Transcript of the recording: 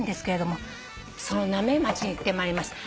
その浪江町に行ってまいりました。